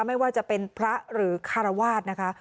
ไม่ว่าจะเป็นพระหรือคารวาสนะคะ